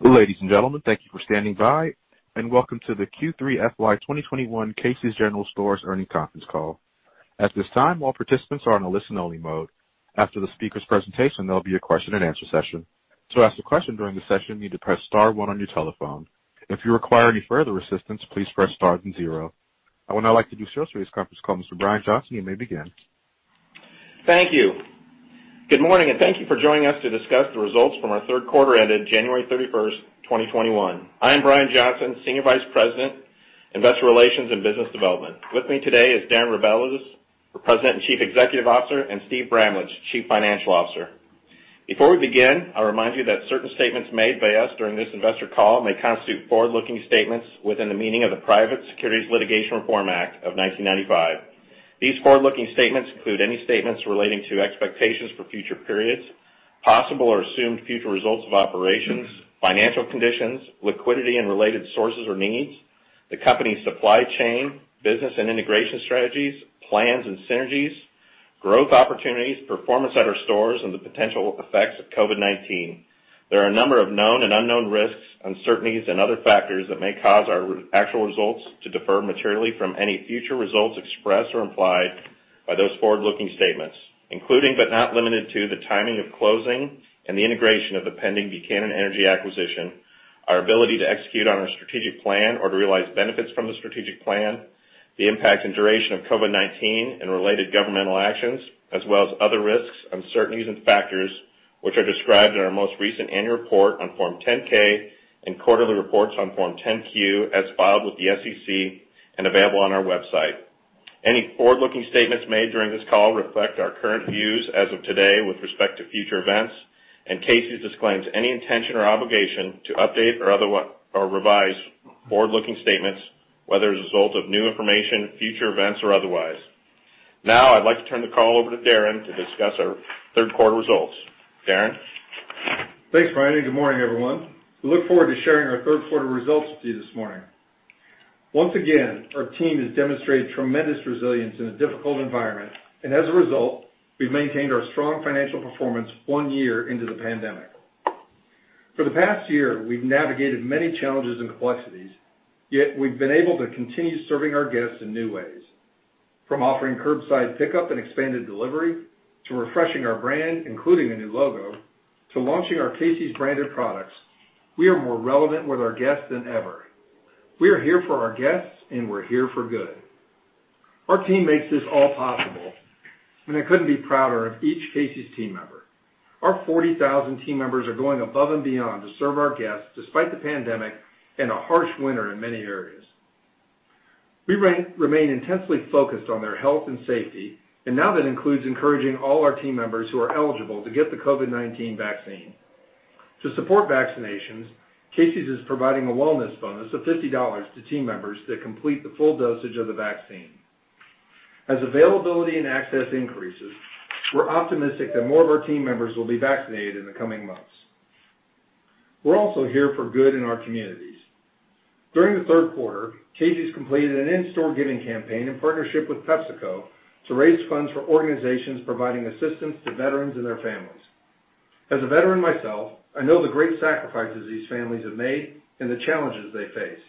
Ladies and gentlemen, thank you for standing by, and welcome to the Q3 FY 2021 Casey's General Stores Earnings Conference Call. At this time, all participants are in a listen-only mode. After the speaker's presentation, there will be a question-and-answer session. To ask a question during the session, you need to press star one on your telephone. If you require any further assistance, please press star then zero. I would now like to do a sales for this conference call. Mr. Brian Johnson, you may begin. Thank you. Good morning, and thank you for joining us to discuss the results from our third quarter ended January 31, 2021. I am Brian Johnson, Senior Vice President, Investor Relations and Business Development. With me today is Darren Rebelez, President and Chief Executive Officer, and Steve Bramlage, Chief Financial Officer. Before we begin, I remind you that certain statements made by us during this investor call may constitute forward-looking statements within the meaning of the Private Securities Litigation Reform Act of 1995. These forward-looking statements include any statements relating to expectations for future periods, possible or assumed future results of operations, financial conditions, liquidity and related sources or needs, the company's supply chain, business and integration strategies, plans and synergies, growth opportunities, performance at our stores, and the potential effects of COVID-19. There are a number of known and unknown risks, uncertainties, and other factors that may cause our actual results to differ materially from any future results expressed or implied by those forward-looking statements, including but not limited to the timing of closing and the integration of the pending Buchanan Energy acquisition, our ability to execute on our strategic plan or to realize benefits from the strategic plan, the impact and duration of COVID-19 and related governmental actions, as well as other risks, uncertainties, and factors which are described in our most recent annual report on Form 10-K and quarterly reports on Form 10-Q as filed with the SEC and available on our website. Any forward-looking statements made during this call reflect our current views as of today with respect to future events, and Casey's disclaims any intention or obligation to update or revise forward-looking statements, whether as a result of new information, future events, or otherwise. Now, I'd like to turn the call over to Darren to discuss our third quarter results. Darren. Thanks, Brian. Good morning, everyone. We look forward to sharing our third quarter results with you this morning. Once again, our team has demonstrated tremendous resilience in a difficult environment, and as a result, we've maintained our strong financial performance one year into the pandemic. For the past year, we've navigated many challenges and complexities, yet we've been able to continue serving our guests in new ways. From offering curbside pickup and expanded delivery to refreshing our brand, including a new logo, to launching our Casey's branded products, we are more relevant with our guests than ever. We are here for our guests, and we're here for good. Our team makes this all possible, and I couldn't be prouder of each Casey's team member. Our 40,000 team members are going above and beyond to serve our guests despite the pandemic and a harsh winter in many areas. We remain intensely focused on their health and safety, and now that includes encouraging all our team members who are eligible to get the COVID-19 vaccine. To support vaccinations, Casey's is providing a wellness bonus of $50 to team members that complete the full dosage of the vaccine. As availability and access increases, we're optimistic that more of our team members will be vaccinated in the coming months. We're also here for good in our communities. During the third quarter, Casey's completed an in-store giving campaign in partnership with PepsiCo to raise funds for organizations providing assistance to veterans and their families. As a veteran myself, I know the great sacrifices these families have made and the challenges they face.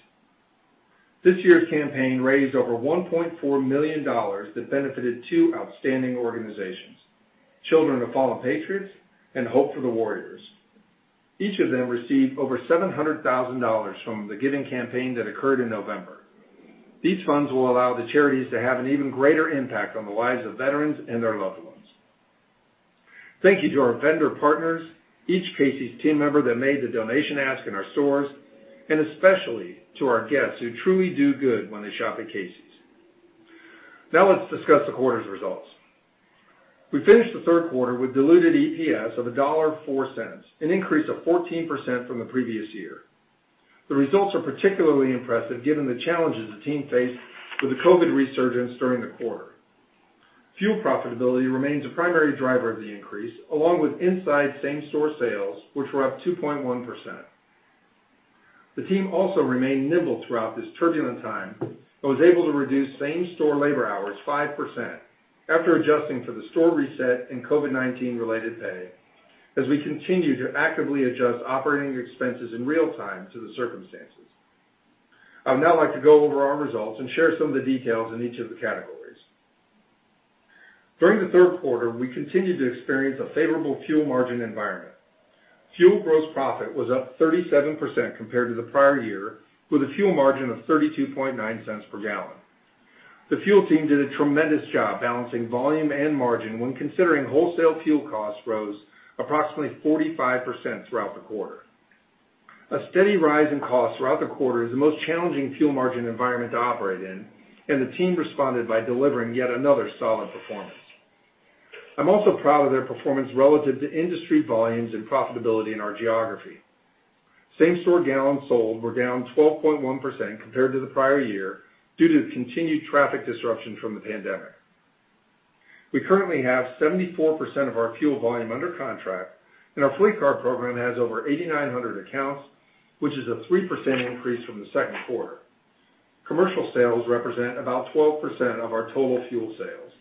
This year's campaign raised over $1.4 million that benefited two outstanding organizations: Children of Fallen Patriots and Hope For The Warriors. Each of them received over $700,000 from the giving campaign that occurred in November. These funds will allow the charities to have an even greater impact on the lives of veterans and their loved ones. Thank you to our vendor partners, each Casey's team member that made the donation ask in our stores, and especially to our guests who truly do good when they shop at Casey's. Now, let's discuss the quarter's results. We finished the third quarter with diluted EPS of $1.04, an increase of 14% from the previous year. The results are particularly impressive given the challenges the team faced with the COVID resurgence during the quarter. Fuel profitability remains a primary driver of the increase, along with inside same-store sales, which were up 2.1%. The team also remained nimble throughout this turbulent time and was able to reduce same-store labor hours 5% after adjusting for the store reset and COVID-19-related pay as we continue to actively adjust operating expenses in real time to the circumstances. I would now like to go over our results and share some of the details in each of the categories. During the third quarter, we continued to experience a favorable fuel margin environment. Fuel gross profit was up 37% compared to the prior year, with a fuel margin of $0.329 per gallon. The fuel team did a tremendous job balancing volume and margin when considering wholesale fuel costs rose approximately 45% throughout the quarter. A steady rise in costs throughout the quarter is the most challenging fuel margin environment to operate in, and the team responded by delivering yet another solid performance. I'm also proud of their performance relative to industry volumes and profitability in our geography. Same-store gallons sold were down 12.1% compared to the prior year due to continued traffic disruption from the pandemic. We currently have 74% of our fuel volume under contract, and our fleet car program has over 8,900 accounts, which is a 3% increase from the second quarter. Commercial sales represent about 12% of our total fuel sales.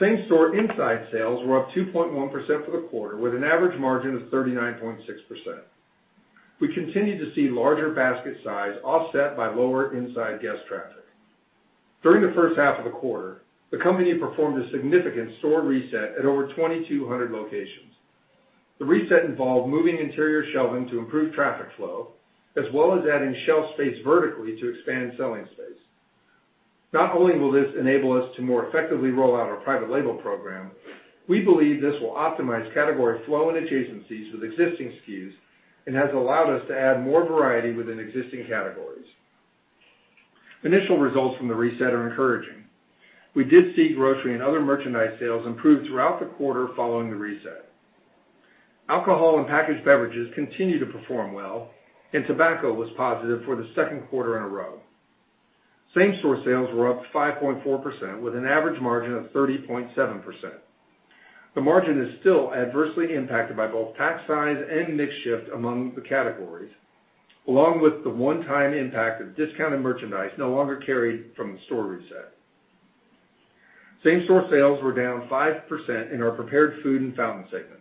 Same-store inside sales were up 2.1% for the quarter, with an average margin of 39.6%. We continue to see larger basket size offset by lower inside guest traffic. During the first half of the quarter, the company performed a significant store reset at over 2,200 locations. The reset involved moving interior shelving to improve traffic flow, as well as adding shelf space vertically to expand selling space. Not only will this enable us to more effectively roll out our private label program, we believe this will optimize category flow and adjacencies with existing SKUs and has allowed us to add more variety within existing categories. Initial results from the reset are encouraging. We did see grocery and other merchandise sales improve throughout the quarter following the reset. Alcohol and packaged beverages continue to perform well, and tobacco was positive for the second quarter in a row. Same-store sales were up 5.4% with an average margin of 30.7%. The margin is still adversely impacted by both tax size and mixed shift among the categories, along with the one-time impact of discounted merchandise no longer carried from the store reset. Same-store sales were down 5% in our prepared food and fountain segment.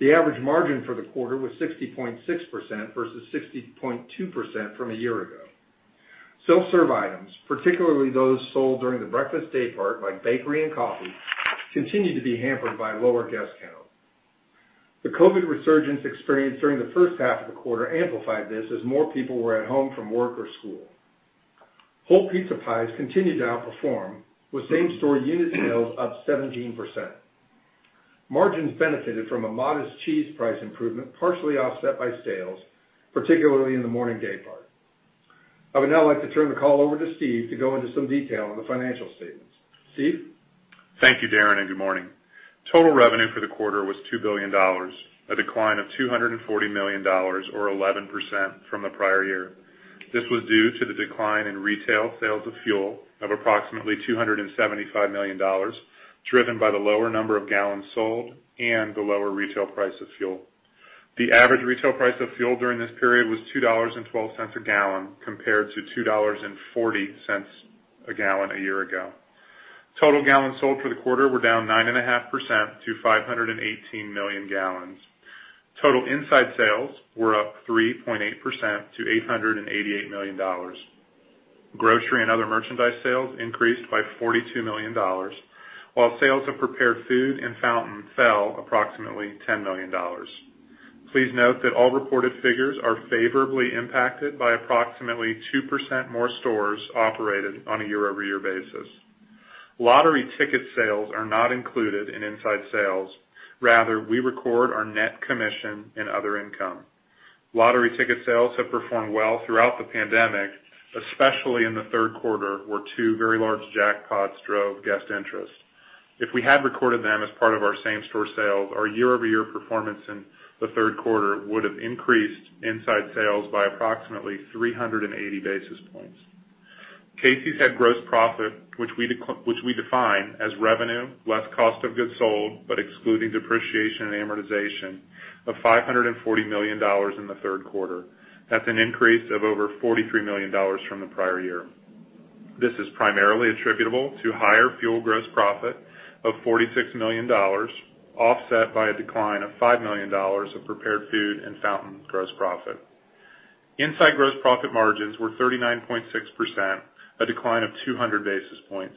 The average margin for the quarter was 60.6% vs 60.2% from a year ago. Self-serve items, particularly those sold during the breakfast day part like bakery and coffee, continued to be hampered by lower guest count. The COVID resurgence experienced during the first half of the quarter amplified this as more people were at home from work or school. Whole pizza pies continued to outperform, with same-store unit sales up 17%. Margins benefited from a modest cheese price improvement partially offset by sales, particularly in the morning day part. I would now like to turn the call over to Steve to go into some detail on the financial statements. Steve? Thank you, Darren, and good morning. Total revenue for the quarter was $2 billion, a decline of $240 million, or 11% from the prior year. This was due to the decline in retail sales of fuel of approximately $275 million, driven by the lower number of gallons sold and the lower retail price of fuel. The average retail price of fuel during this period was $2.12 a gallon compared to $2.40 a gallon a year ago. Total gallons sold for the quarter were down 9.5% to 518 million gallons. Total inside sales were up 3.8% to $888 million. Grocery and other merchandise sales increased by $42 million, while sales of prepared food and fountain fell approximately $10 million. Please note that all reported figures are favorably impacted by approximately 2% more stores operated on a year-over-year basis. Lottery ticket sales are not included in inside sales. Rather, we record our net commission and other income. Lottery ticket sales have performed well throughout the pandemic, especially in the third quarter where two very large jackpots drove guest interest. If we had recorded them as part of our same-store sales, our year-over-year performance in the third quarter would have increased inside sales by approximately 380 basis points. Casey's had gross profit, which we define as revenue less cost of goods sold but excluding depreciation and amortization, of $540 million in the third quarter. That's an increase of over $43 million from the prior year. This is primarily attributable to higher fuel gross profit of $46 million, offset by a decline of $5 million of prepared food and fountain gross profit. Inside gross profit margins were 39.6%, a decline of 200 basis points.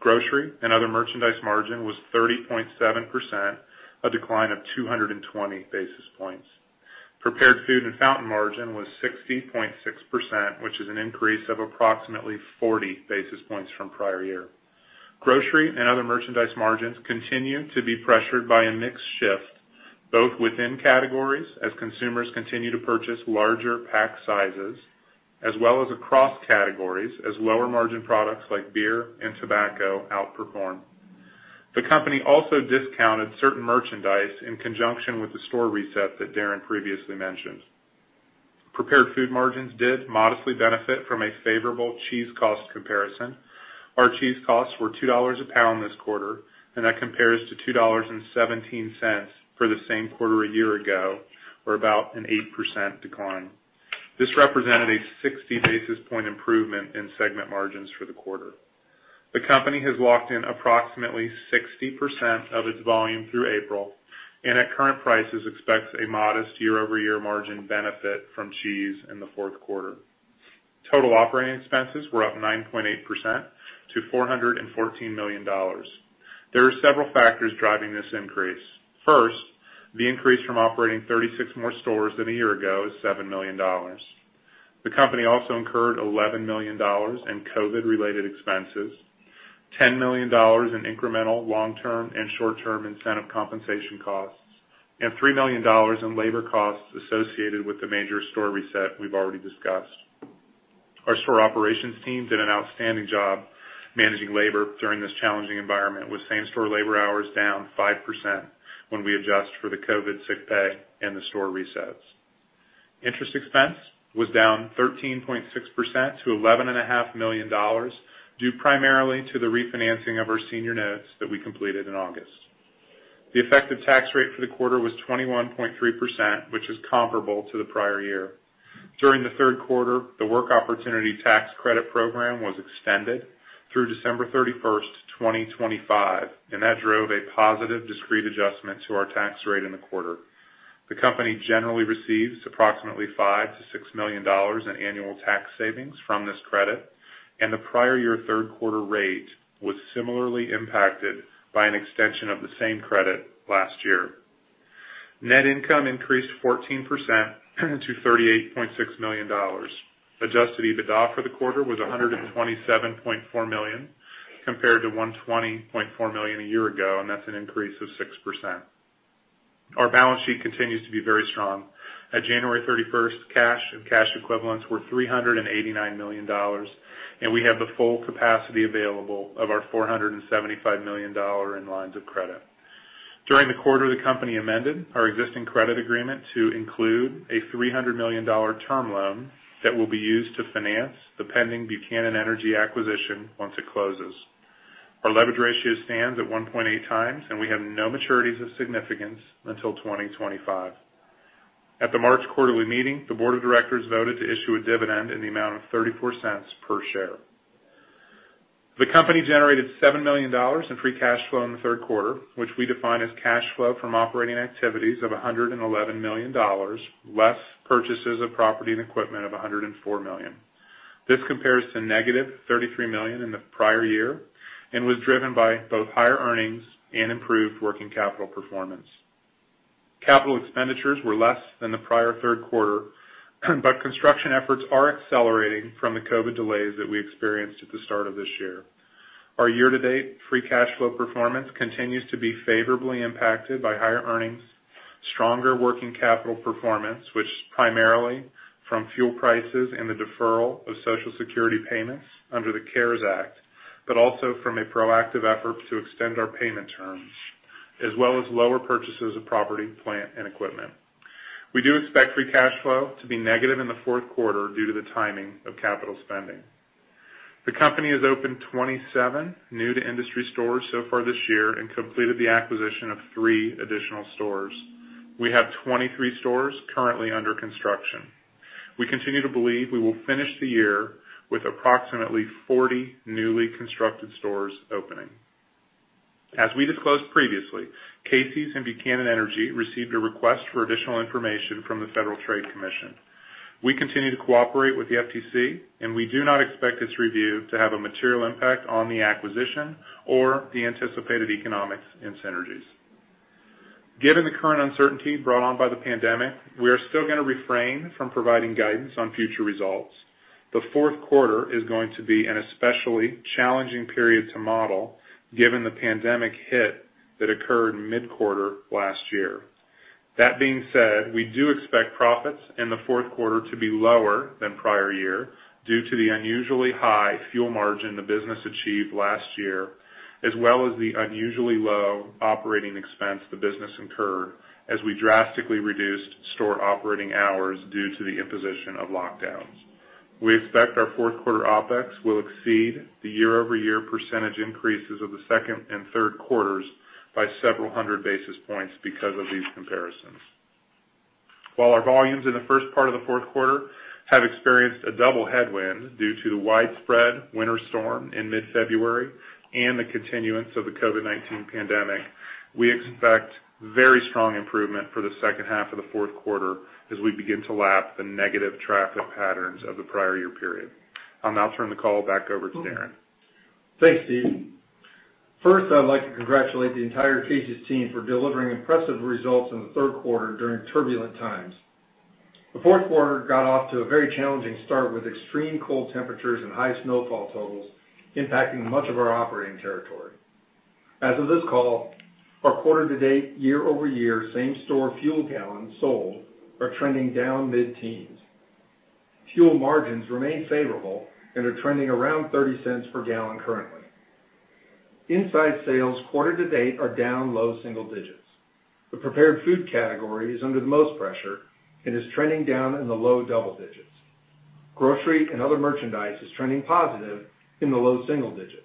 Grocery and other merchandise margin was 30.7%, a decline of 220 basis points. Prepared food and fountain margin was 60.6%, which is an increase of approximately 40 basis points from prior year. Grocery and other merchandise margins continue to be pressured by a mix shift, both within categories as consumers continue to purchase larger pack sizes, as well as across categories as lower margin products like beer and tobacco outperform. The company also discounted certain merchandise in conjunction with the store reset that Darren previously mentioned. Prepared food margins did modestly benefit from a favorable cheese cost comparison. Our cheese costs were $2 a pound this quarter, and that compares to $2.17 for the same quarter a year ago, or about an 8% decline. This represented a 60 basis point improvement in segment margins for the quarter. The company has locked in approximately 60% of its volume through April, and at current prices expects a modest year-over-year margin benefit from cheese in the fourth quarter. Total operating expenses were up 9.8% to $414 million. There are several factors driving this increase. First, the increase from operating 36 more stores than a year ago is $7 million. The company also incurred $11 million in COVID-related expenses, $10 million in incremental long-term and short-term incentive compensation costs, and $3 million in labor costs associated with the major store reset we've already discussed. Our store operations team did an outstanding job managing labor during this challenging environment, with same-store labor hours down 5% when we adjust for the COVID sick pay and the store resets. Interest expense was down 13.6% to $11.5 million due primarily to the refinancing of our senior notes that we completed in August. The effective tax rate for the quarter was 21.3%, which is comparable to the prior year. During the third quarter, the Work Opportunity Tax Credit program was extended through December 31, 2025, and that drove a positive discrete adjustment to our tax rate in the quarter. The company generally receives approximately $5-$6 million in annual tax savings from this credit, and the prior year third quarter rate was similarly impacted by an extension of the same credit last year. Net income increased 14% to $38.6 million. Adjusted EBITDA for the quarter was $127.4 million compared to $120.4 million a year ago, and that's an increase of 6%. Our balance sheet continues to be very strong. At January 31, cash and cash equivalents were $389 million, and we have the full capacity available of our $475 million in lines of credit. During the quarter, the company amended our existing credit agreement to include a $300 million term loan that will be used to finance the pending Buchanan Energy acquisition once it closes. Our leverage ratio stands at 1.8x, and we have no maturities of significance until 2025. At the March quarterly meeting, the board of directors voted to issue a dividend in the amount of $0.34 per share. The company generated $7 million in free cash flow in the third quarter, which we define as cash flow from operating activities of $111 million, less purchases of property and equipment of $104 million. This compares to -$33 million in the prior year and was driven by both higher earnings and improved working capital performance. Capital expenditures were less than the prior third quarter, but construction efforts are accelerating from the COVID delays that we experienced at the start of this year. Our year-to-date free cash flow performance continues to be favorably impacted by higher earnings, stronger working capital performance, which is primarily from fuel prices and the deferral of Social Security payments under the CARES Act, but also from a proactive effort to extend our payment terms, as well as lower purchases of property, plant, and equipment. We do expect free cash flow to be negative in the fourth quarter due to the timing of capital spending. The company has opened 27 new-to-industry stores so far this year and completed the acquisition of three additional stores. We have 23 stores currently under construction. We continue to believe we will finish the year with approximately 40 newly constructed stores opening. As we disclosed previously, Casey's and Buchanan Energy received a request for additional information from the Federal Trade Commission. We continue to cooperate with the FTC, and we do not expect its review to have a material impact on the acquisition or the anticipated economics in synergies. Given the current uncertainty brought on by the pandemic, we are still going to refrain from providing guidance on future results. The fourth quarter is going to be an especially challenging period to model given the pandemic hit that occurred mid-quarter last year. That being said, we do expect profits in the fourth quarter to be lower than prior year due to the unusually high fuel margin the business achieved last year, as well as the unusually low operating expense the business incurred as we drastically reduced store operating hours due to the imposition of lockdowns. We expect our fourth quarter OpEx will exceed the year-over-year percentage increases of the second and third quarters by several hundred basis points because of these comparisons. While our volumes in the first part of the fourth quarter have experienced a double headwind due to the widespread winter storm in mid-February and the continuance of the COVID-19 pandemic, we expect very strong improvement for the second half of the fourth quarter as we begin to lap the negative traffic patterns of the prior year period. I'll now turn the call back over to Darren. Thanks, Steve. First, I'd like to congratulate the entire Casey's team for delivering impressive results in the third quarter during turbulent times. The fourth quarter got off to a very challenging start with extreme cold temperatures and high snowfall totals impacting much of our operating territory. As of this call, our quarter-to-date, year-over-year same-store fuel gallons sold are trending down mid-teens. Fuel margins remain favorable and are trending around $0.30 per gallon currently. Inside sales quarter-to-date are down low single digits. The prepared food category is under the most pressure and is trending down in the low double digits. Grocery and other merchandise is trending positive in the low single digits.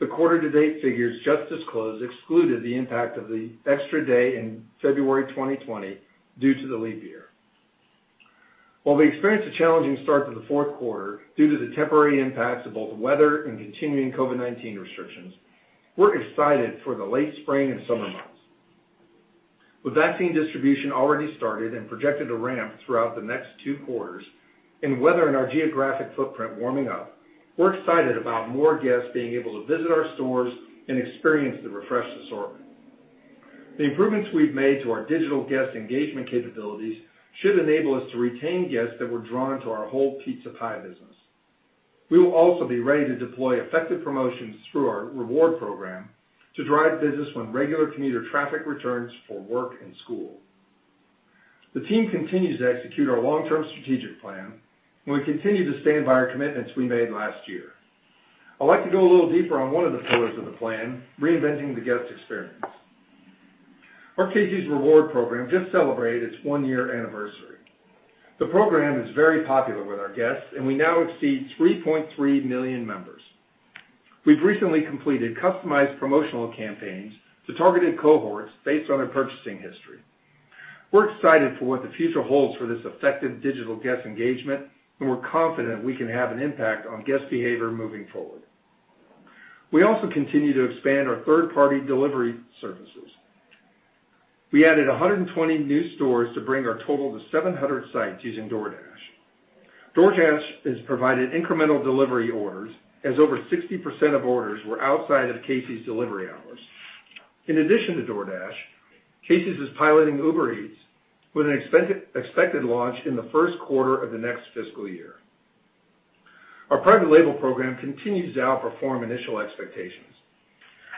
The quarter-to-date figures just disclosed excluded the impact of the extra day in February 2020 due to the leap year. While we experienced a challenging start to the fourth quarter due to the temporary impacts of both weather and continuing COVID-19 restrictions, we're excited for the late spring and summer months. With vaccine distribution already started and projected to ramp throughout the next two quarters and weather and our geographic footprint warming up, we're excited about more guests being able to visit our stores and experience the refreshed assortment. The improvements we've made to our digital guest engagement capabilities should enable us to retain guests that were drawn to our whole pizza pie business. We will also be ready to deploy effective promotions through our reward program to drive business when regular commuter traffic returns for work and school. The team continues to execute our long-term strategic plan, and we continue to stand by our commitments we made last year. I'd like to go a little deeper on one of the pillars of the plan, reinventing the guest experience. Our Casey's Rewards Program just celebrated its one-year anniversary. The program is very popular with our guests, and we now exceed 3.3 million members. We've recently completed customized promotional campaigns to targeted cohorts based on our purchasing history. We're excited for what the future holds for this effective digital guest engagement, and we're confident we can have an impact on guest behavior moving forward. We also continue to expand our third-party delivery services. We added 120 new stores to bring our total to 700 sites using DoorDash. DoorDash has provided incremental delivery orders as over 60% of orders were outside of Casey's delivery hours. In addition to DoorDash, Casey's is piloting Uber Eats with an expected launch in the first quarter of the next fiscal year. Our private label program continues to outperform initial expectations.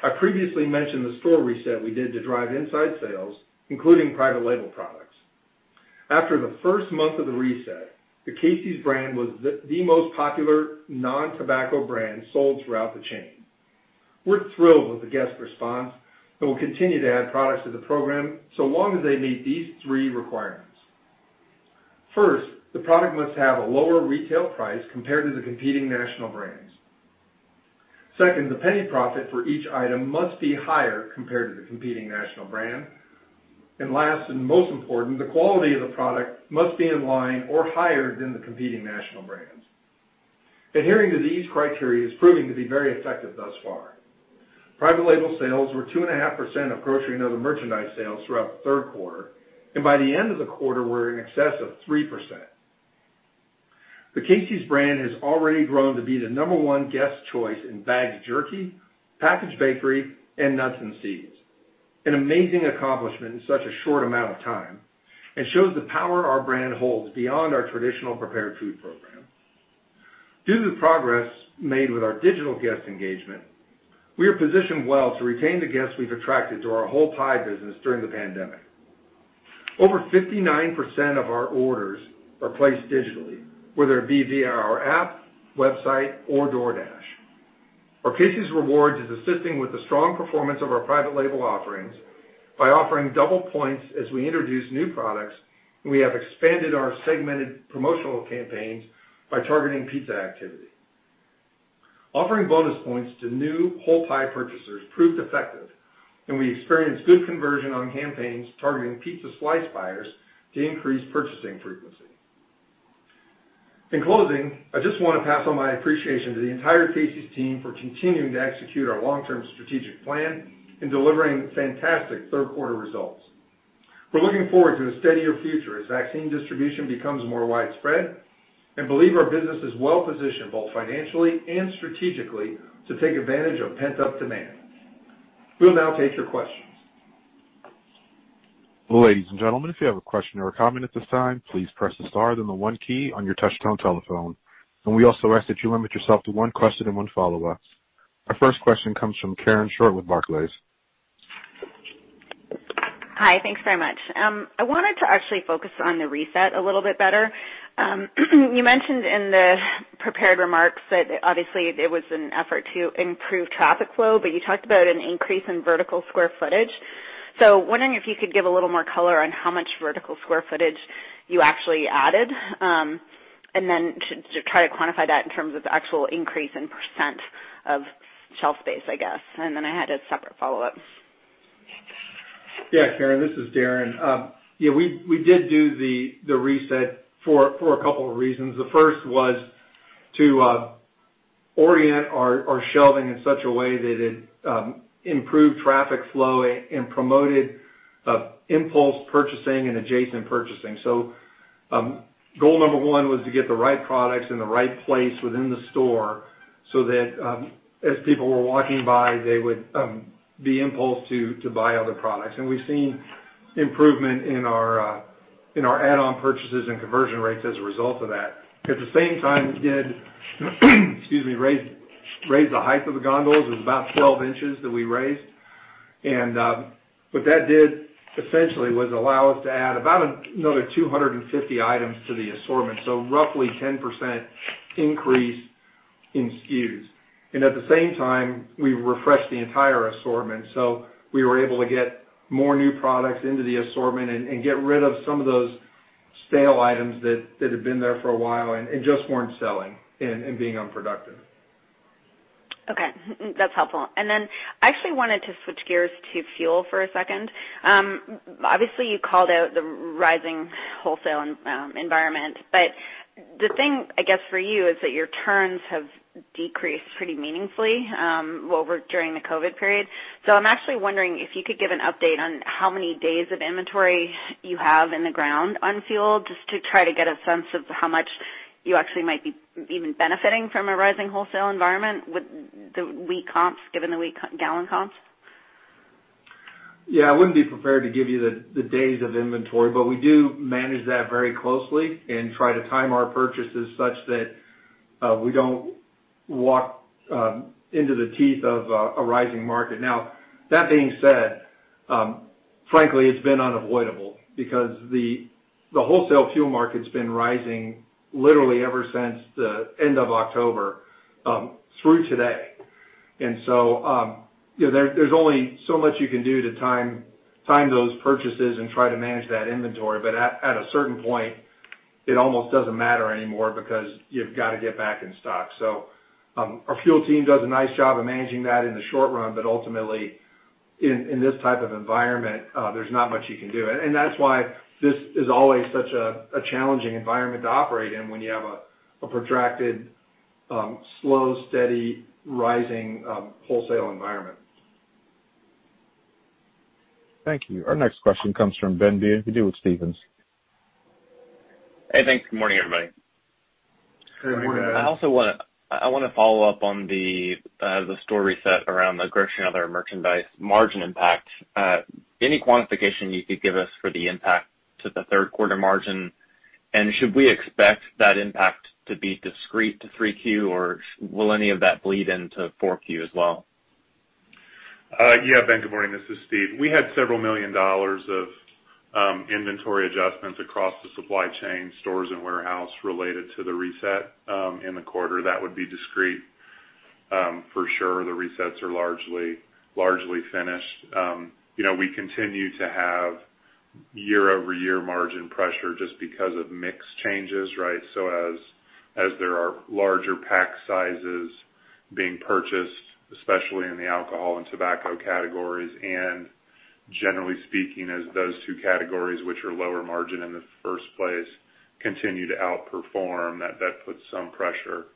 I previously mentioned the store reset we did to drive inside sales, including private label products. After the first month of the reset, the Casey's brand was the most popular non-tobacco brand sold throughout the chain. We're thrilled with the guest response and will continue to add products to the program so long as they meet these three requirements. First, the product must have a lower retail price compared to the competing national brands. Second, the penny profit for each item must be higher compared to the competing national brand. Last and most important, the quality of the product must be in line or higher than the competing national brands. Adhering to these criteria is proving to be very effective thus far. Private label sales were 2.5% of grocery and other merchandise sales throughout the third quarter, and by the end of the quarter, we were in excess of 3%. The Casey's brand has already grown to be the number one guest choice in bagged jerky, packaged bakery, and nuts and seeds, an amazing accomplishment in such a short amount of time and shows the power our brand holds beyond our traditional prepared food program. Due to the progress made with our digital guest engagement, we are positioned well to retain the guests we have attracted to our whole pie business during the pandemic. Over 59% of our orders are placed digitally, whether it be via our app, website, or DoorDash. Our Casey's Rewards is assisting with the strong performance of our private label offerings by offering double points as we introduce new products, and we have expanded our segmented promotional campaigns by targeting pizza activity. Offering bonus points to new whole pie purchasers proved effective, and we experienced good conversion on campaigns targeting pizza slice buyers to increase purchasing frequency. In closing, I just want to pass on my appreciation to the entire Casey's team for continuing to execute our long-term strategic plan and delivering fantastic third-quarter results. We're looking forward to a steadier future as vaccine distribution becomes more widespread and believe our business is well-positioned both financially and strategically to take advantage of pent-up demand. We'll now take your questions. Ladies and gentlemen, if you have a question or a comment at this time, please press the star then the one key on your touch-tone telephone. We also ask that you limit yourself to one question and one follow-up. Our first question comes from Karen Short with Barclays. Hi, thanks very much. I wanted to actually focus on the reset a little bit better. You mentioned in the prepared remarks that obviously it was an effort to improve traffic flow, but you talked about an increase in vertical square footage. I am wondering if you could give a little more color on how much vertical square footage you actually added and then try to quantify that in terms of the actual increase in % of shelf space, I guess. I have a separate follow-up. Yeah, Karen, this is Darren. Yeah, we did do the reset for a couple of reasons. The first was to orient our shelving in such a way that it improved traffic flow and promoted impulse purchasing and adjacent purchasing. Goal number one was to get the right products in the right place within the store so that as people were walking by, they would be impulsed to buy other products. We have seen improvement in our add-on purchases and conversion rates as a result of that. At the same time, we did, excuse me, raise the height of the gondolas. It was about 12 inches that we raised. What that did essentially was allow us to add about another 250 items to the assortment, so roughly 10% increase in SKUs. At the same time, we refreshed the entire assortment, so we were able to get more new products into the assortment and get rid of some of those stale items that had been there for a while and just were not selling and being unproductive. Okay, that's helpful. I actually wanted to switch gears to fuel for a second. Obviously, you called out the rising wholesale environment, but the thing, I guess, for you is that your turns have decreased pretty meaningfully during the COVID period. I am actually wondering if you could give an update on how many days of inventory you have in the ground on fuel just to try to get a sense of how much you actually might be even benefiting from a rising wholesale environment with the weak comps given the weak gallon comps? Yeah, I wouldn't be prepared to give you the days of inventory, but we do manage that very closely and try to time our purchases such that we don't walk into the teeth of a rising market. Now, that being said, frankly, it's been unavoidable because the wholesale fuel market's been rising literally ever since the end of October through today. There is only so much you can do to time those purchases and try to manage that inventory, but at a certain point, it almost doesn't matter anymore because you've got to get back in stock. Our fuel team does a nice job of managing that in the short run, but ultimately, in this type of environment, there's not much you can do. That is why this is always such a challenging environment to operate in when you have a protracted, slow, steady, rising wholesale environment. Thank you. Our next question comes from Ben Bienvenu. You're with Stephens. Hey, thanks. Good morning, everybody. Good morning, everybody. I also want to follow up on the store reset around the grocery and other merchandise margin impact. Any quantification you could give us for the impact to the third-quarter margin? Should we expect that impact to be discrete to 3Q, or will any of that bleed into 4Q as well? Yeah, Ben, good morning. This is Steve. We had several million dollars of inventory adjustments across the supply chain, stores, and warehouse related to the reset in the quarter. That would be discrete for sure. The resets are largely finished. We continue to have year-over-year margin pressure just because of mix changes, right? As there are larger pack sizes being purchased, especially in the alcohol and tobacco categories, and generally speaking, as those two categories, which are lower margin in the first place, continue to outperform, that puts some pressure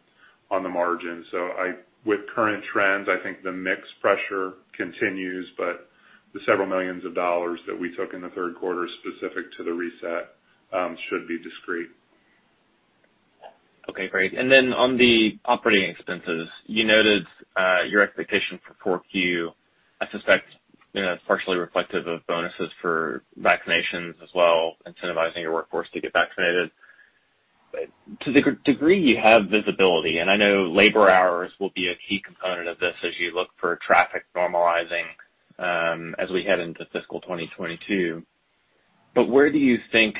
on the margin. With current trends, I think the mix pressure continues, but the several millions of dollars that we took in the third quarter specific to the reset should be discrete. Okay, great. Then on the operating expenses, you noted your expectation for 4Q. I suspect that's partially reflective of bonuses for vaccinations as well, incentivizing your workforce to get vaccinated. To the degree you have visibility, and I know labor hours will be a key component of this as you look for traffic normalizing as we head into fiscal 2022, where do you think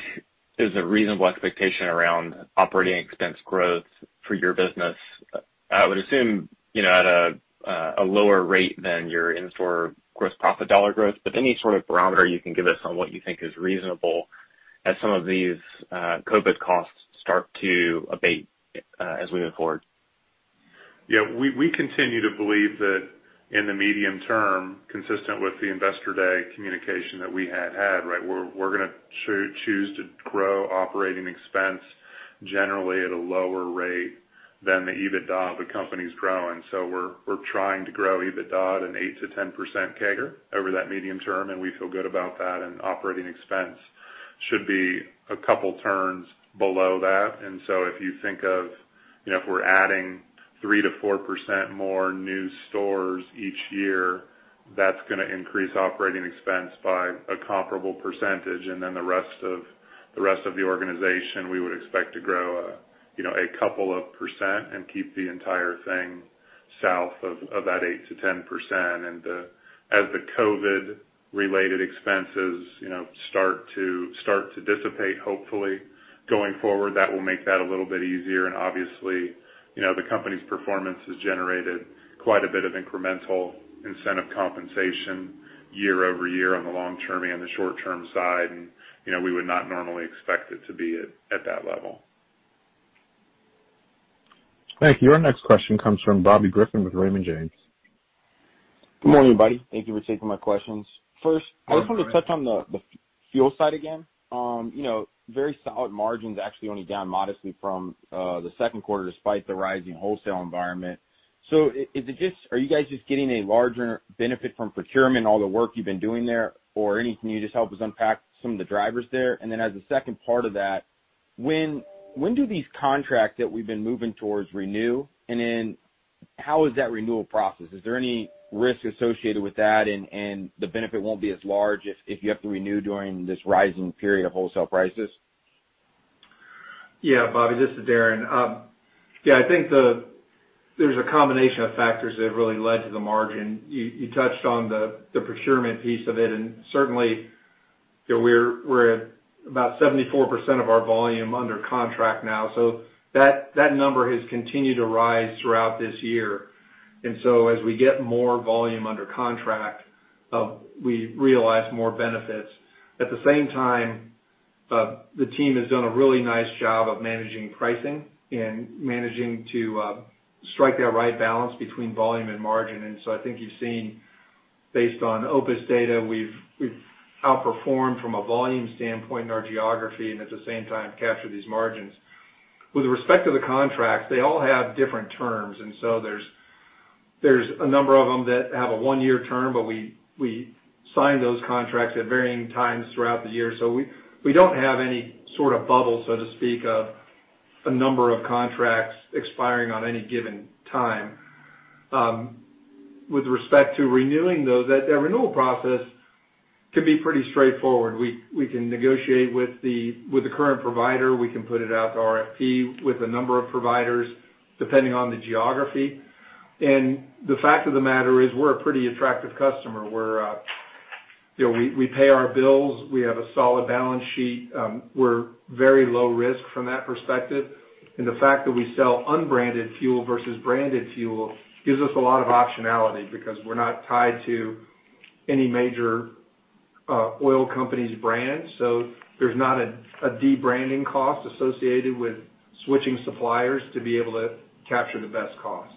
is a reasonable expectation around operating expense growth for your business? I would assume at a lower rate than your in-store gross profit dollar growth, but any sort of barometer you can give us on what you think is reasonable as some of these COVID costs start to abate as we move forward? Yeah, we continue to believe that in the medium term, consistent with the investor day communication that we had had, right? We're going to choose to grow operating expense generally at a lower rate than the EBITDA of the company's grown. So we're trying to grow EBITDA at an 8%-10% CAGR over that medium term, and we feel good about that. And operating expense should be a couple turns below that. If you think of if we're adding 3%-4% more new stores each year, that's going to increase operating expense by a comparable percentage. The rest of the organization, we would expect to grow a couple of percent and keep the entire thing south of that 8%-10%. As the COVID-related expenses start to dissipate, hopefully, going forward, that will make that a little bit easier. Obviously, the company's performance has generated quite a bit of incremental incentive compensation year-over-year on the long-term and the short-term side, and we would not normally expect it to be at that level. Thank you. Our next question comes from Bobby Griffin with Raymond James. Good morning, everybody. Thank you for taking my questions. First, I just want to touch on the fuel side again. Very solid margins actually only down modestly from the second quarter despite the rising wholesale environment. Are you guys just getting a larger benefit from procurement, all the work you've been doing there, or can you just help us unpack some of the drivers there? As a second part of that, when do these contracts that we've been moving towards renew, and how is that renewal process? Is there any risk associated with that, and the benefit won't be as large if you have to renew during this rising period of wholesale prices? Yeah, Bobby, this is Darren. I think there's a combination of factors that really led to the margin. You touched on the procurement piece of it, and certainly, we're at about 74% of our volume under contract now. That number has continued to rise throughout this year. As we get more volume under contract, we realize more benefits. At the same time, the team has done a really nice job of managing pricing and managing to strike that right balance between volume and margin. I think you've seen, based on OPIS data, we've outperformed from a volume standpoint in our geography and at the same time captured these margins. With respect to the contracts, they all have different terms. There's a number of them that have a one-year term, but we sign those contracts at varying times throughout the year. We do not have any sort of bubble, so to speak, of a number of contracts expiring at any given time. With respect to renewing those, that renewal process can be pretty straightforward. We can negotiate with the current provider. We can put it out to RFP with a number of providers depending on the geography. The fact of the matter is we are a pretty attractive customer. We pay our bills. We have a solid balance sheet. We are very low risk from that perspective. The fact that we sell unbranded fuel vs branded fuel gives us a lot of optionality because we are not tied to any major oil company's brand. There is not a de-branding cost associated with switching suppliers to be able to capture the best cost.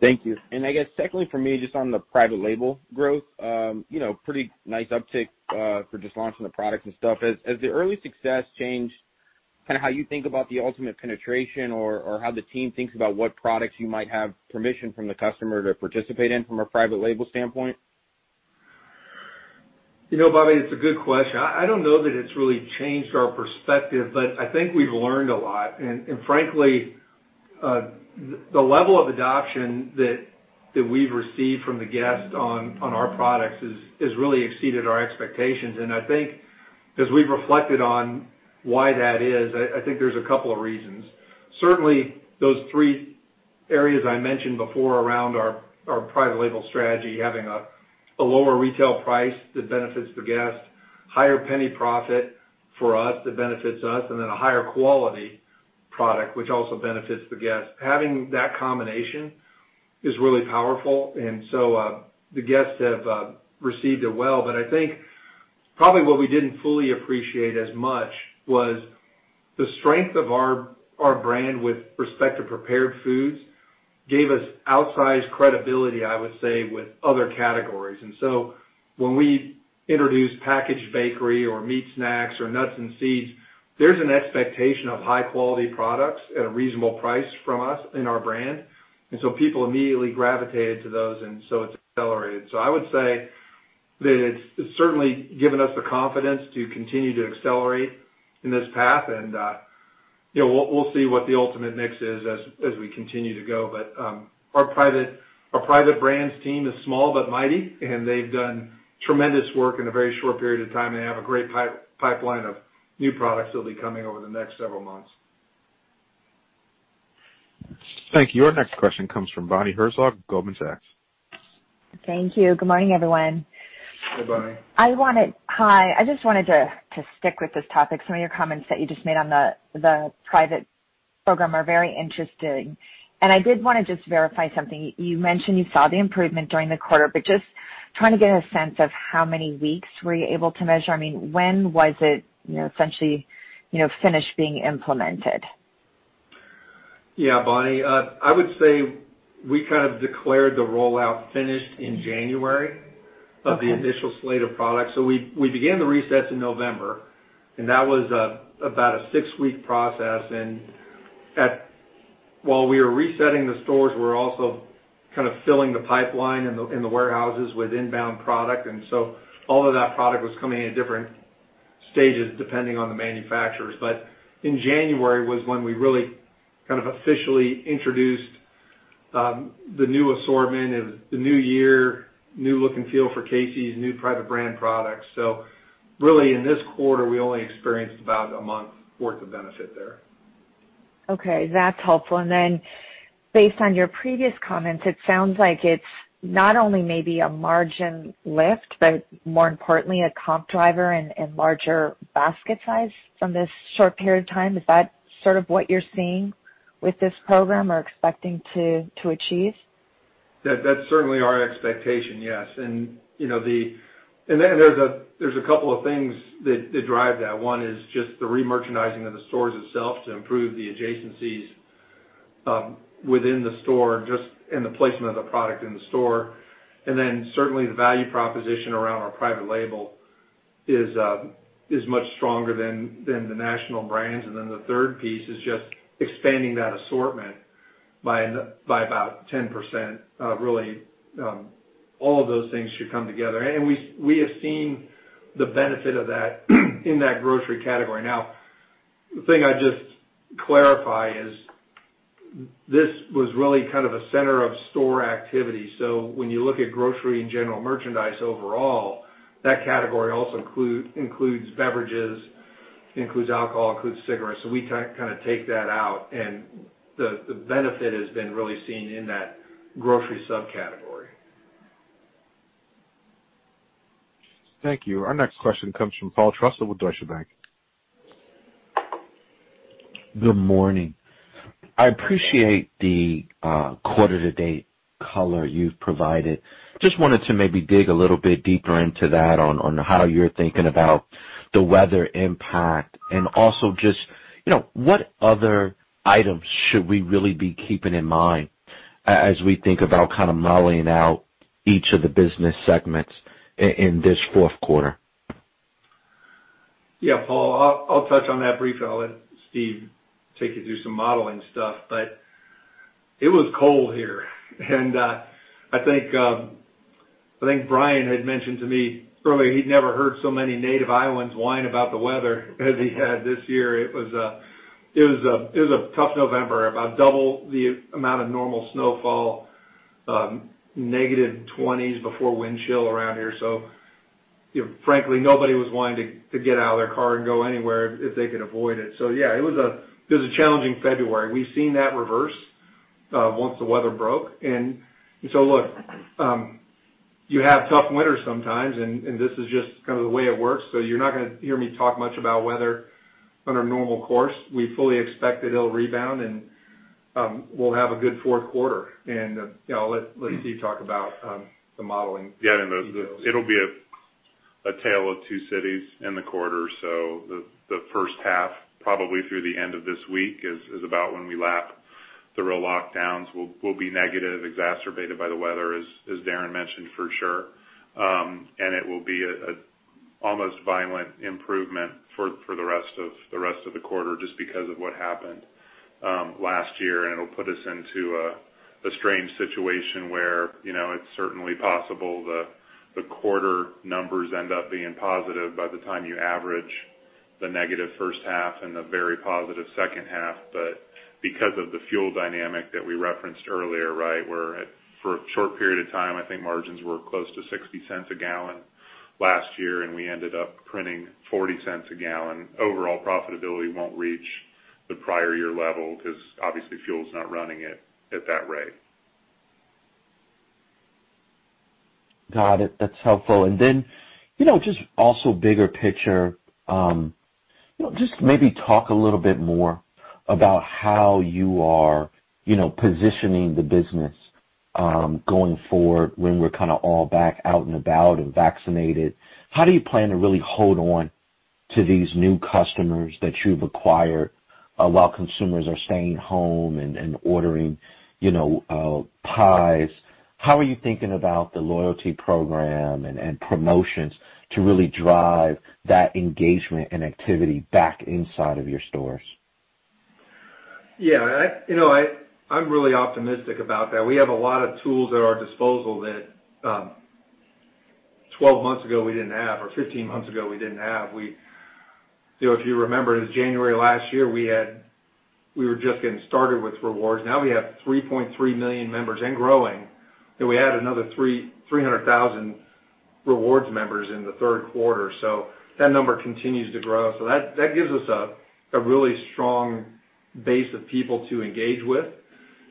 Thank you. I guess secondly for me, just on the private label growth, pretty nice uptick for just launching the products and stuff. Has the early success changed kind of how you think about the ultimate penetration or how the team thinks about what products you might have permission from the customer to participate in from a private label standpoint? You know, Bobby, it's a good question. I don't know that it's really changed our perspective, but I think we've learned a lot. Frankly, the level of adoption that we've received from the guests on our products has really exceeded our expectations. I think as we've reflected on why that is, I think there's a couple of reasons. Certainly, those three areas I mentioned before around our private label strategy, having a lower retail price that benefits the guest, higher penny profit for us that benefits us, and then a higher quality product, which also benefits the guest. Having that combination is really powerful. The guests have received it well. I think probably what we didn't fully appreciate as much was the strength of our brand with respect to prepared foods gave us outsized credibility, I would say, with other categories. When we introduced packaged bakery or meat snacks or nuts and seeds, there's an expectation of high-quality products at a reasonable price from us and our brand. People immediately gravitated to those, and it accelerated. I would say that it's certainly given us the confidence to continue to accelerate in this path. We'll see what the ultimate mix is as we continue to go. Our private brand's team is small but mighty, and they've done tremendous work in a very short period of time. They have a great pipeline of new products that'll be coming over the next several months. Thank you. Our next question comes from Bonnie Herzog, Goldman Sachs. Thank you. Good morning, everyone. Hey, Bonnie. I wanted—hi. I just wanted to stick with this topic. Some of your comments that you just made on the private program are very interesting. I did want to just verify something. You mentioned you saw the improvement during the quarter, but just trying to get a sense of how many weeks were you able to measure? I mean, when was it essentially finished being implemented? Yeah, Bonnie. I would say we kind of declared the rollout finished in January of the initial slate of products. We began the reset in November, and that was about a six-week process. While we were resetting the stores, we were also kind of filling the pipeline in the warehouses with inbound product. All of that product was coming in at different stages depending on the manufacturers. In January was when we really kind of officially introduced the new assortment, the new year, new look and feel for Casey's new private brand products. Really, in this quarter, we only experienced about a month's worth of benefit there. Okay. That's helpful. Based on your previous comments, it sounds like it's not only maybe a margin lift, but more importantly, a comp driver and larger basket size from this short period of time. Is that sort of what you're seeing with this program or expecting to achieve? That's certainly our expectation, yes. There are a couple of things that drive that. One is just the re-merchandising of the stores itself to improve the adjacencies within the store and the placement of the product in the store. Certainly, the value proposition around our private label is much stronger than the national brands. The third piece is just expanding that assortment by about 10%. Really, all of those things should come together. We have seen the benefit of that in that grocery category. The thing I just clarify is this was really kind of a center of store activity. When you look at grocery and general merchandise overall, that category also includes beverages, includes alcohol, includes cigarettes. We kind of take that out, and the benefit has been really seen in that grocery subcategory. Thank you. Our next question comes from Paul Trussell with Deutsche Bank. Good morning. I appreciate the quarter-to-date color you've provided. Just wanted to maybe dig a little bit deeper into that on how you're thinking about the weather impact and also just what other items should we really be keeping in mind as we think about kind of modeling out each of the business segments in this fourth quarter? Yeah, Paul, I'll touch on that briefly. I'll let Steve take you through some modeling stuff. It was cold here. I think Brian had mentioned to me earlier he'd never heard so many native Iowans whine about the weather as he had this year. It was a tough November, about double the amount of normal snowfall, -20s before wind chill around here. Frankly, nobody was wanting to get out of their car and go anywhere if they could avoid it. Yeah, it was a challenging February. We've seen that reverse once the weather broke. You have tough winters sometimes, and this is just kind of the way it works. You're not going to hear me talk much about weather under normal course. We fully expect that it'll rebound, and we'll have a good fourth quarter. Let Steve talk about the modeling. Yeah, it'll be a tale of two cities in the quarter. The first half, probably through the end of this week, is about when we lap the real lockdowns. We'll be negative, exacerbated by the weather, as Darren mentioned, for sure. It will be an almost violent improvement for the rest of the quarter just because of what happened last year. It'll put us into a strange situation where it's certainly possible the quarter numbers end up being positive by the time you average the negative first half and the very positive second half. Because of the fuel dynamic that we referenced earlier, right, where for a short period of time, I think margins were close to 60 cents a gallon last year, and we ended up printing 40 cents a gallon, overall profitability won't reach the prior year level because obviously fuel's not running at that rate. Got it. That's helpful. Just also bigger picture, maybe talk a little bit more about how you are positioning the business going forward when we're kind of all back out and about and vaccinated. How do you plan to really hold on to these new customers that you've acquired while consumers are staying home and ordering pies? How are you thinking about the loyalty program and promotions to really drive that engagement and activity back inside of your stores? Yeah. I'm really optimistic about that. We have a lot of tools at our disposal that 12 months ago we didn't have or 15 months ago we didn't have. If you remember, it was January last year we were just getting started with rewards. Now we have 3.3 million members and growing. We added another 300,000 rewards members in the third quarter. That number continues to grow. That gives us a really strong base of people to engage with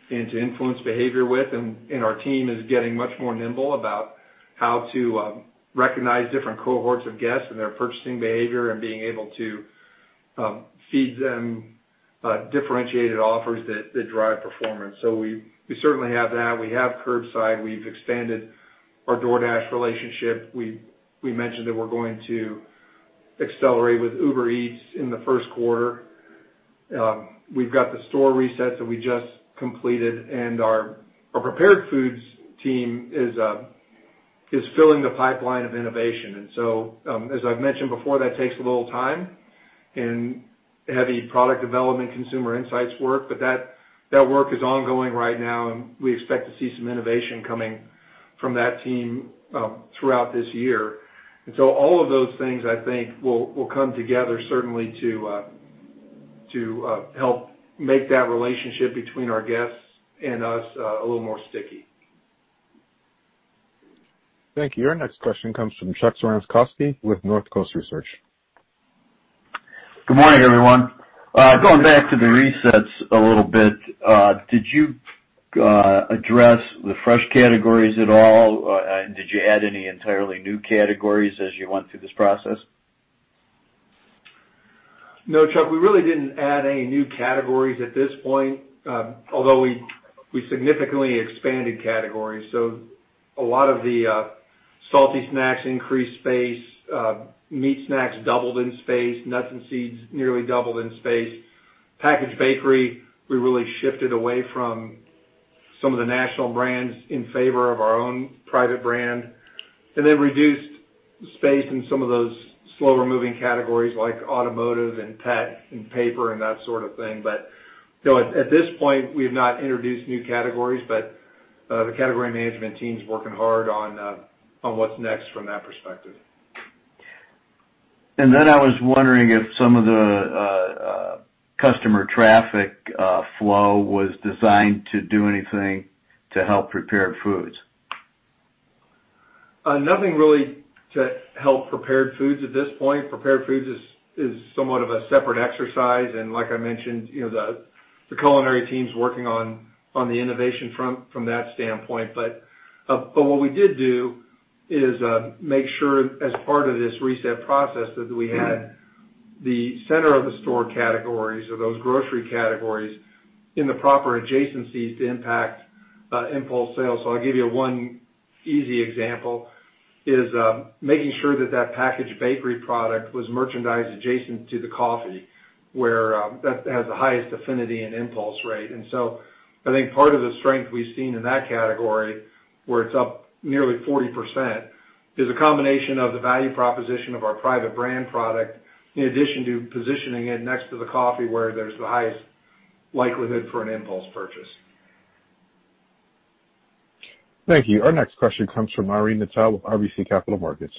and to influence behavior with. Our team is getting much more nimble about how to recognize different cohorts of guests and their purchasing behavior and being able to feed them differentiated offers that drive performance. We certainly have that. We have curbside. We've expanded our DoorDash relationship. We mentioned that we're going to accelerate with Uber Eats in the first quarter. We've got the store resets that we just completed. Our prepared foods team is filling the pipeline of innovation. As I've mentioned before, that takes a little time and heavy product development, consumer insights work. That work is ongoing right now, and we expect to see some innovation coming from that team throughout this year. All of those things, I think, will come together certainly to help make that relationship between our guests and us a little more sticky. Thank you. Our next question comes from Chuck Cerankosky with North Coast Research. Good morning, everyone. Going back to the resets a little bit, did you address the fresh categories at all? Did you add any entirely new categories as you went through this process? No, Chuck. We really didn't add any new categories at this point, although we significantly expanded categories. A lot of the salty snacks increased space. Meat snacks doubled in space. Nuts and seeds nearly doubled in space. Packaged bakery, we really shifted away from some of the national brands in favor of our own private brand. We reduced space in some of those slower-moving categories like automotive and pet and paper and that sort of thing. At this point, we have not introduced new categories, but the category management team's working hard on what's next from that perspective. I was wondering if some of the customer traffic flow was designed to do anything to help prepared foods. Nothing really to help prepared foods at this point. Prepared foods is somewhat of a separate exercise. Like I mentioned, the culinary team's working on the innovation front from that standpoint. What we did do is make sure as part of this reset process that we had the center of the store categories or those grocery categories in the proper adjacencies to impact impulse sales. I'll give you one easy example: making sure that that packaged bakery product was merchandised adjacent to the coffee where that has the highest affinity and impulse rate. I think part of the strength we've seen in that category, where it's up nearly 40%, is a combination of the value proposition of our private brand product in addition to positioning it next to the coffee where there's the highest likelihood for an impulse purchase. Thank you. Our next question comes from Irene Nattel with RBC Capital Markets.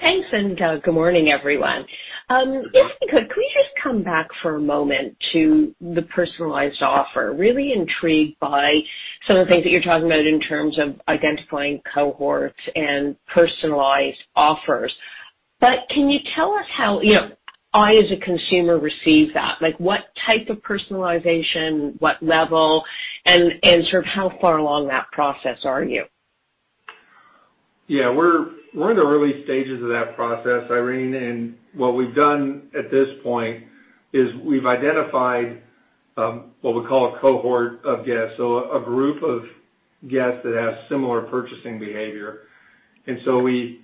Thanks, and good morning, everyone. If we could, could we just come back for a moment to the personalized offer? Really intrigued by some of the things that you're talking about in terms of identifying cohorts and personalized offers. But can you tell us how I, as a consumer, receive that? What type of personalization, what level, and sort of how far along that process are you? Yeah. We're in the early stages of that process, Irene. And what we've done at this point is we've identified what we call a cohort of guests, so a group of guests that have similar purchasing behavior. And so we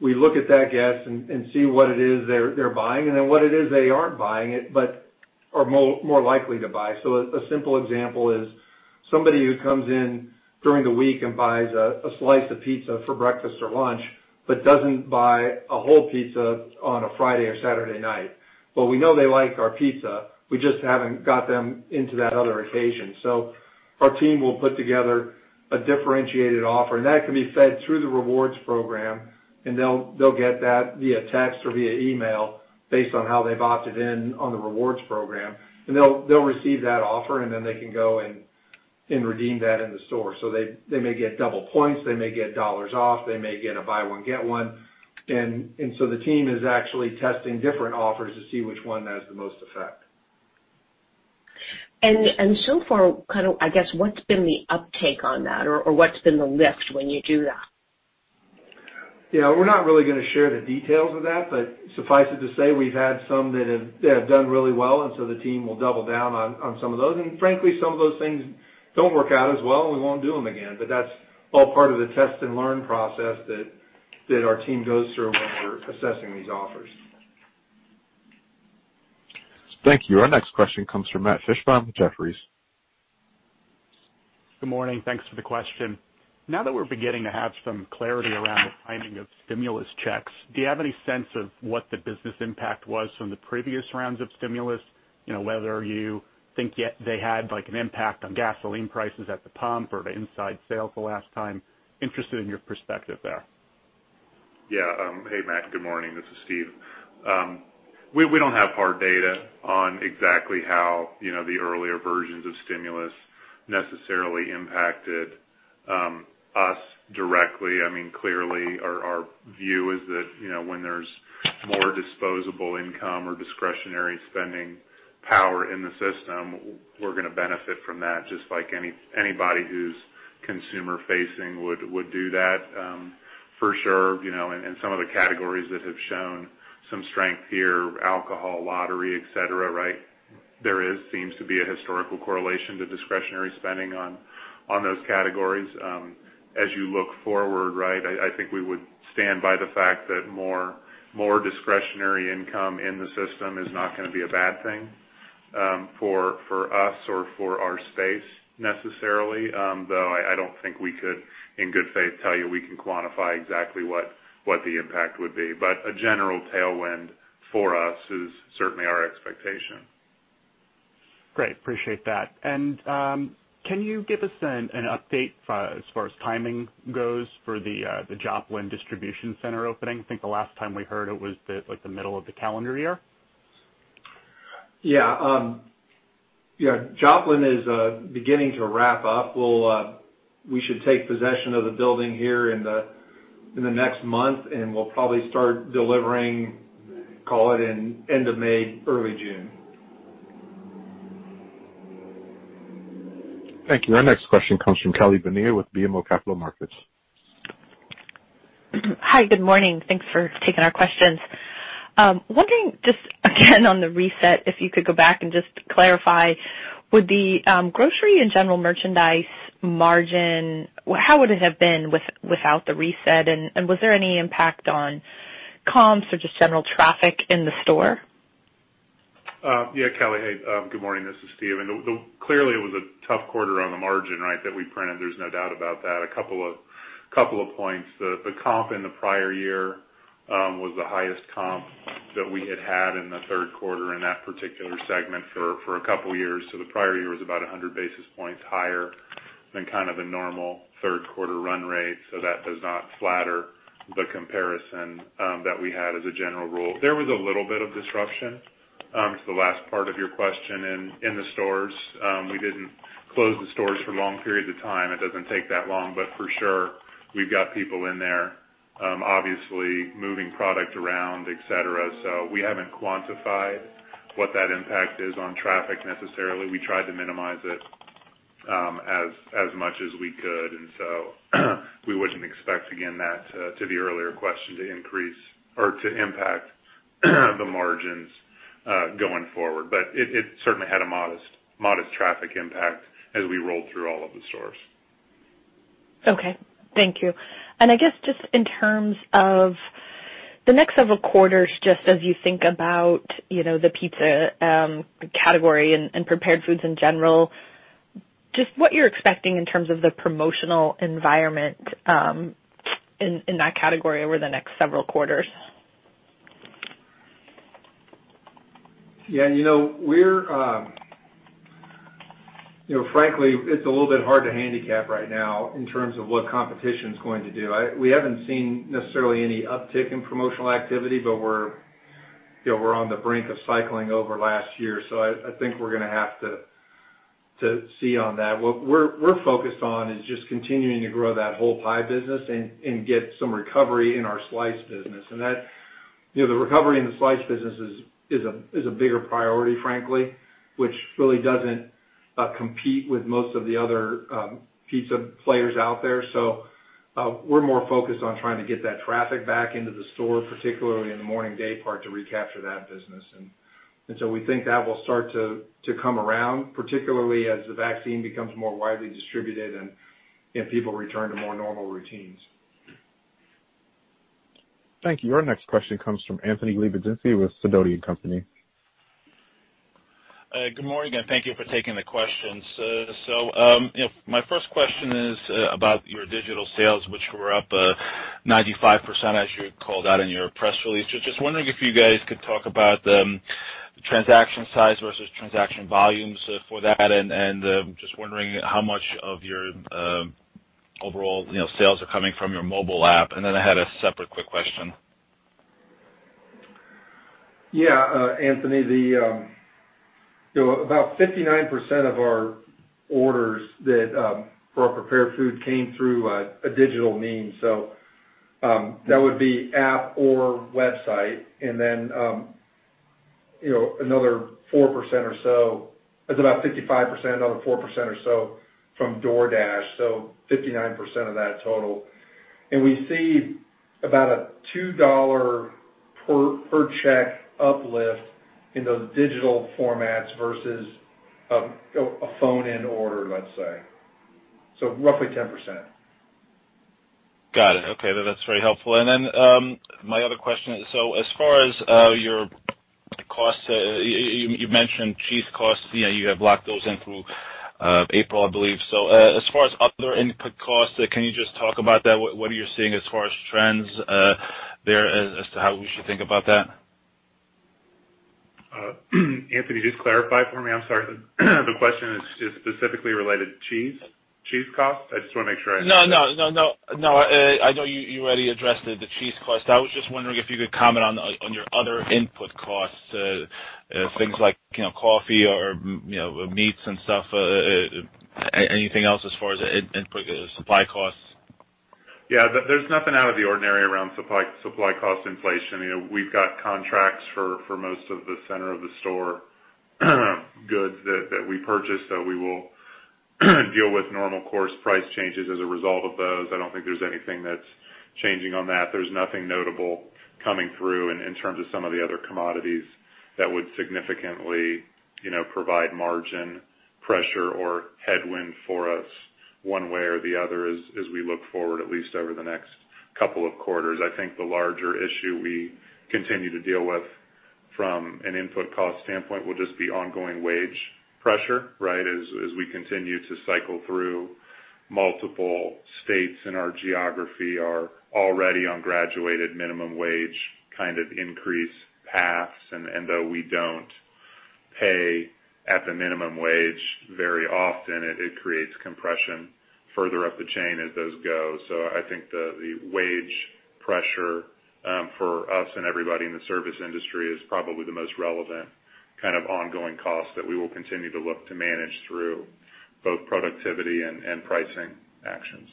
look at that guest and see what it is they're buying and then what it is they aren't buying but are more likely to buy. A simple example is somebody who comes in during the week and buys a slice of pizza for breakfast or lunch but doesn't buy a whole pizza on a Friday or Saturday night. We know they like our pizza. We just haven't got them into that other occasion. Our team will put together a differentiated offer. That can be fed through the rewards program, and they'll get that via text or via email based on how they've opted in on the rewards program. They'll receive that offer, and then they can go and redeem that in the store. They may get double points. They may get dollars off. They may get a buy one, get one. The team is actually testing different offers to see which one has the most effect. So far, kind of, I guess, what's been the uptake on that, or what's been the lift when you do that? Yeah. We're not really going to share the details of that, but suffice it to say, we've had some that have done really well. The team will double down on some of those. Frankly, some of those things don't work out as well, and we won't do them again. That's all part of the test and learn process that our team goes through when we're assessing these offers. Thank you. Our next question comes from Matt Fishbein with Jefferies. Good morning. Thanks for the question. Now that we're beginning to have some clarity around the timing of stimulus checks, do you have any sense of what the business impact was from the previous rounds of stimulus, whether you think they had an impact on gasoline prices at the pump or the inside sales the last time? Interested in your perspective there. Yeah. Hey, Matt. Good morning. This is Steve. We don't have hard data on exactly how the earlier versions of stimulus necessarily impacted us directly. I mean, clearly, our view is that when there's more disposable income or discretionary spending power in the system, we're going to benefit from that, just like anybody who's consumer-facing would do that for sure. Some of the categories that have shown some strength here, alcohol, lottery, etc., right, there seems to be a historical correlation to discretionary spending on those categories. As you look forward, right, I think we would stand by the fact that more discretionary income in the system is not going to be a bad thing for us or for our space necessarily, though I don't think we could, in good faith, tell you we can quantify exactly what the impact would be. A general tailwind for us is certainly our expectation. Great. Appreciate that. Can you give us an update as far as timing goes for the Joplin Distribution Center opening? I think the last time we heard it was the middle of the calendar year. Yeah. Yeah. Joplin is beginning to wrap up. We should take possession of the building here in the next month, and we'll probably start delivering, call it, in end of May, early June. Thank you. Our next question comes from Kelly Bania with BMO Capital Markets. Hi. Good morning. Thanks for taking our questions. Wondering just again on the reset, if you could go back and just clarify, would the grocery and general merchandise margin, how would it have been without the reset? And was there any impact on comps or just general traffic in the store? Yeah. Kelly, hey. Good morning. This is Steve. Clearly, it was a tough quarter on the margin, right, that we printed. There's no doubt about that. A couple of points. The comp in the prior year was the highest comp that we had had in the third quarter in that particular segment for a couple of years. The prior year was about 100 basis points higher than kind of the normal third quarter run rate. That does not flatter the comparison that we had as a general rule. There was a little bit of disruption to the last part of your question in the stores. We didn't close the stores for long periods of time. It doesn't take that long. For sure, we've got people in there, obviously, moving product around, etc. We haven't quantified what that impact is on traffic necessarily. We tried to minimize it as much as we could. We would not expect, again, that to the earlier question to increase or to impact the margins going forward. It certainly had a modest traffic impact as we rolled through all of the stores. Okay. Thank you. I guess just in terms of the next several quarters, just as you think about the pizza category and prepared foods in general, just what you're expecting in terms of the promotional environment in that category over the next several quarters? Yeah. Frankly, it's a little bit hard to handicap right now in terms of what competition is going to do. We haven't seen necessarily any uptick in promotional activity, but we're on the brink of cycling over last year. I think we're going to have to see on that. What we're focused on is just continuing to grow that whole pie business and get some recovery in our slice business. The recovery in the slice business is a bigger priority, frankly, which really doesn't compete with most of the other pizza players out there. We're more focused on trying to get that traffic back into the store, particularly in the morning day part, to recapture that business. We think that will start to come around, particularly as the vaccine becomes more widely distributed and people return to more normal routines. Thank you. Our next question comes from Anthony Lebiedzinski with Sidoti & Company. Good morning. Thank you for taking the questions. My first question is about your digital sales, which were up 95%, as you called out in your press release. Just wondering if you guys could talk about the transaction size versus transaction volumes for that. Just wondering how much of your overall sales are coming from your mobile app. I had a separate quick question. Yeah. Anthony, about 59% of our orders for our prepared food came through a digital means. That would be app or website. Another 4% or so from DoorDash. So 59% of that total. We see about a $2 per check uplift in those digital formats vs a phone-in order, let's say. Roughly 10%. Got it. Okay. That's very helpful. My other question is, as far as your costs, you mentioned cheese costs. You have locked those in through April, I believe. As far as other input costs, can you just talk about that? What are you seeing as far as trends there as to how we should think about that? Anthony, just clarify for me. I'm sorry. The question is specifically related to cheese costs. I just want to make sure I understand. No, no, no, no. I know you already addressed the cheese costs. I was just wondering if you could comment on your other input costs, things like coffee or meats and stuff. Anything else as far as input supply costs? Yeah. There's nothing out of the ordinary around supply cost inflation. We've got contracts for most of the center of the store goods that we purchase, so we will deal with normal course price changes as a result of those. I don't think there's anything that's changing on that. There's nothing notable coming through in terms of some of the other commodities that would significantly provide margin pressure or headwind for us one way or the other as we look forward, at least over the next couple of quarters. I think the larger issue we continue to deal with from an input cost standpoint will just be ongoing wage pressure, right, as we continue to cycle through multiple states in our geography, are already on graduated minimum wage kind of increase paths. Though we do not pay at the minimum wage very often, it creates compression further up the chain as those go. I think the wage pressure for us and everybody in the service industry is probably the most relevant kind of ongoing cost that we will continue to look to manage through both productivity and pricing actions.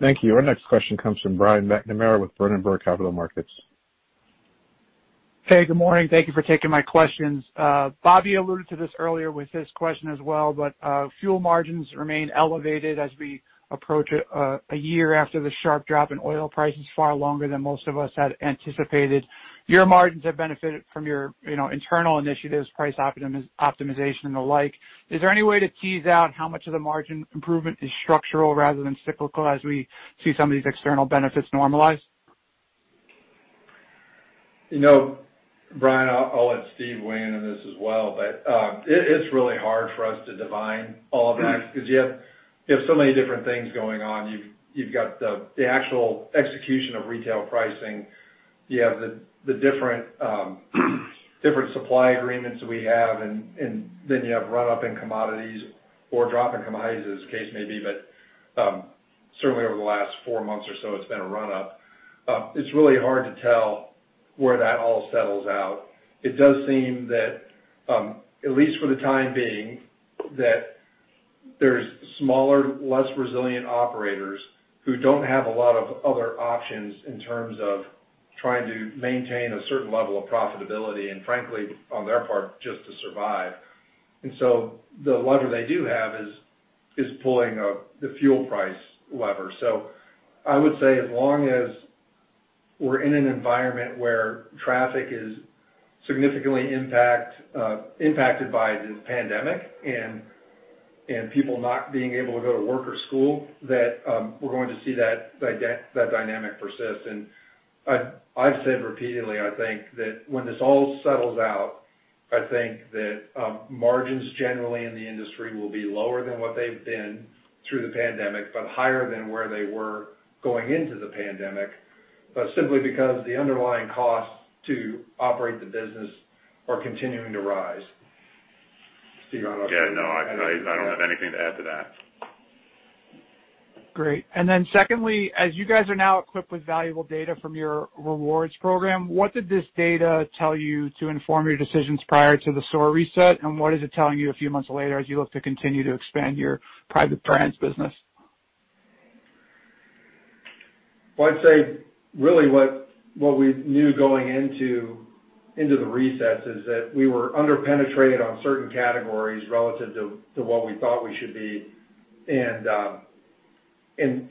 Thank you. Our next question comes from Brian McNamara with Berenberg Capital Markets. Hey, good morning. Thank you for taking my questions. Bobby alluded to this earlier with his question as well, but fuel margins remain elevated as we approach a year after the sharp drop in oil prices, far longer than most of us had anticipated. Your margins have benefited from your internal initiatives, price optimization, and the like. Is there any way to tease out how much of the margin improvement is structural rather than cyclical as we see some of these external benefits normalize? Brian, I'll let Steve weigh in on this as well. It is really hard for us to divine all of that because you have so many different things going on. You have the actual execution of retail pricing. You have the different supply agreements we have. You have run-up in commodities or drop in commodities, as the case may be. Certainly, over the last four months or so, it has been a run-up. It is really hard to tell where that all settles out. It does seem that, at least for the time being, there are smaller, less resilient operators who do not have a lot of other options in terms of trying to maintain a certain level of profitability and, frankly, on their part, just to survive. The lever they do have is pulling the fuel price lever. I would say as long as we're in an environment where traffic is significantly impacted by the pandemic and people not being able to go to work or school, that we're going to see that dynamic persist. I've said repeatedly, I think, that when this all settles out, I think that margins generally in the industry will be lower than what they've been through the pandemic, but higher than where they were going into the pandemic, simply because the underlying costs to operate the business are continuing to rise. Steve. I don't have anything to add to that. Great. Secondly, as you guys are now equipped with valuable data from your rewards program, what did this data tell you to inform your decisions prior to the store reset? What is it telling you a few months later as you look to continue to expand your private brands business? I would say really what we knew going into the resets is that we were underpenetrated on certain categories relative to what we thought we should be.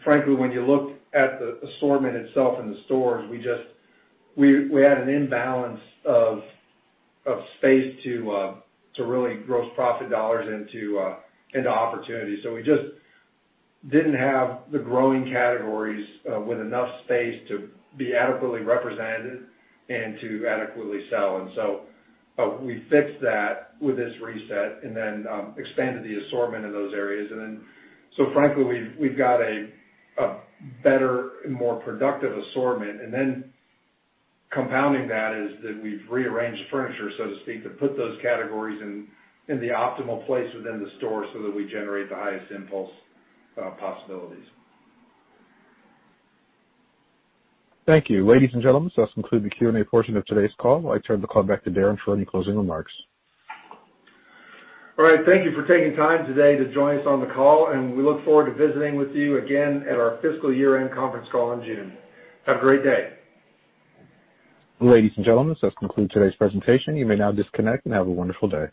Frankly, when you look at the assortment itself in the stores, we had an imbalance of space to really gross profit dollars into opportunity. We just did not have the growing categories with enough space to be adequately represented and to adequately sell. We fixed that with this reset and then expanded the assortment in those areas. Frankly, we have got a better and more productive assortment. Compounding that is that we have rearranged the furniture, so to speak, to put those categories in the optimal place within the store so that we generate the highest impulse possibilities. Thank you. Ladies and gentlemen, that concludes the Q&A portion of today's call. I turn the call back to Darren for any closing remarks. All right. Thank you for taking time today to join us on the call. We look forward to visiting with you again at our Fiscal Year-End Conference Call in June. Have a great day. Ladies and gentlemen, that concludes today's presentation. You may now disconnect and have a wonderful day.